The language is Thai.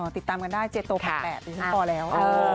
ติดตามกันได้เจโต๘๘ดิฉันพอแล้ว